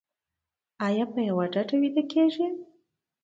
ایا په یوه ډډه ویده کیږئ؟